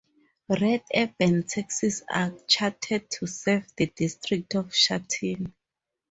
Red urban taxis are chartered to serve the District of Shatin.